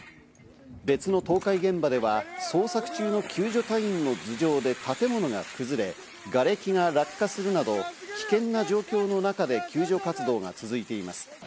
別の倒壊現場では捜索中の救助隊員の頭上で建物が崩れ、がれきが落下するなど危険な状況の中で救助活動が続いています。